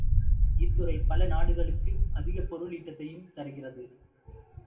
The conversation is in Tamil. இத்துறை பல நாடுகளுக்கு அதிகப் பொருள் ஈட்டத்தையும் தருகிறது.